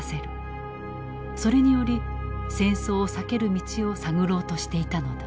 それにより戦争を避ける道を探ろうとしていたのだ。